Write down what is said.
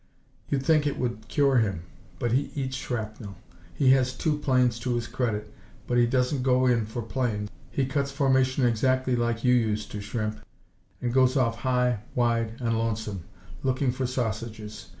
You'd think it would cure him, but he eats shrapnel. Has two planes to his credit, but he doesn't go in for planes. He cuts formation exactly like you used to, Shrimp, and goes off high, wide and lonesome, looking for sausages.